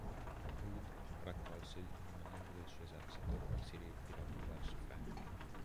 Hood raccolse il rimanente del suo esercito e si ritirò verso Franklin.